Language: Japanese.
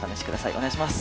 お願いします。